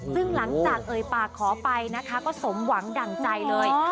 ซึ่งหลังจากเอ่ยปากขอไปนะคะก็สมหวังดั่งใจเลย